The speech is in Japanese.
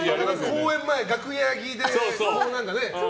公演前、楽屋着でね。